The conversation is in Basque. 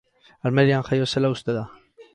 Almerian jaio zela uste da.